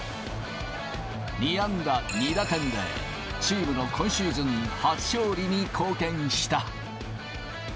２安打２打点で、チームの今シーズン初勝利に貢献した。